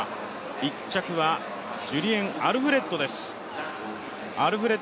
１着はジュリエン・アルフレッドです。